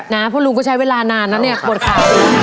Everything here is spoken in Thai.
นะเพราะลุงก็ใช้เวลานานนะเนี่ยโบราณค่ะ